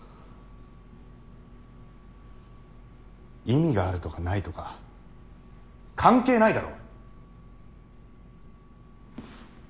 意味があるとかないとか関係ないだろ。